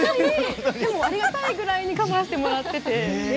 でも、ありがたいぐらいカバーしてもらってて。